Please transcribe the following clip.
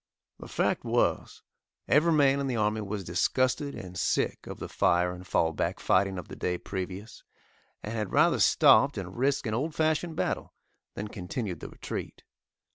The fact was, every man in the army was disgusted and sick of the "fire and fall back" fighting of the day previous, and had rather stopped and risked an old fashioned battle than continued the retreat.